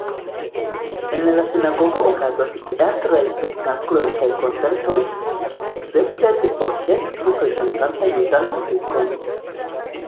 En la sinagogo okazas teatraj spektakloj kaj koncertoj, ekzemple de orkestro prezentanta judan muzikon.